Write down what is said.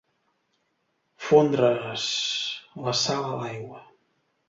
Fondre's la sal a l'aigua.